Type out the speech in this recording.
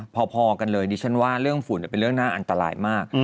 พอกันเลยดิฉันว่าเรื่องฝุ่นเป็นเรื่องน่าอันตรายมาก